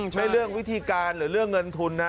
ไม่ใช่เรื่องวิธีการหรือเรื่องเงินทุนนะ